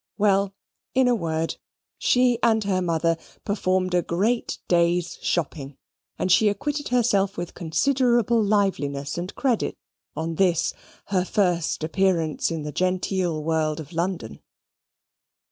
Well, in a word, she and her mother performed a great day's shopping, and she acquitted herself with considerable liveliness and credit on this her first appearance in the genteel world of London.